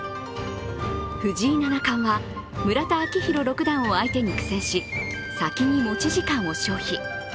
藤井七冠は、村田顕弘六段を相手に苦戦し先に持ち時間を消費。